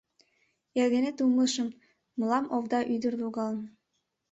Эрденет умылышым: мылам овда ӱдыр логалын.